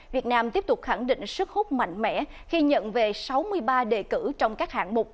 việt nam tiếp tục khẳng định sức hút mạnh mẽ khi nhận về sáu mươi ba đề cử trong các hạng mục